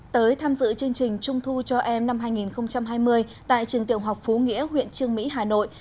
tới tham dự chương trình trung thu cho em năm hai nghìn hai mươi tại trường tiểu học phú nghĩa huyện trương mỹ hà nội